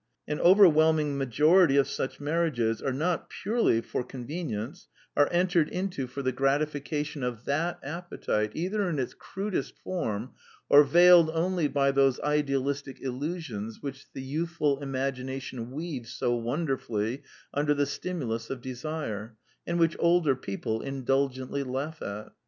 An over whelming majority of such marriages as are not purely de convenance, are entered into for the The Womanly Woman 41 gratification of that appetite either in its crudest form or veiled only by those idealistic illusions which the youthful imagination weaves so won derfully under the stimulus of desire, and which older people indulgently laugh at.